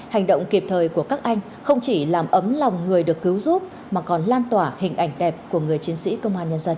hành động kịp thời của các anh không chỉ làm ấm lòng người được cứu giúp mà còn lan tỏa hình ảnh đẹp của người chiến sĩ công an nhân dân